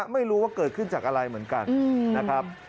ไม่รู้ว่าเกิดขึ้นจากอะไรเหมือนกันนะครับ